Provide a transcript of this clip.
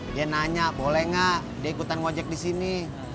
dia nanya boleh gak dia ikutan ngajak disini